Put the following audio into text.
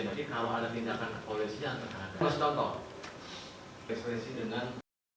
jadi kalau ada tindakan polisi yang terhadap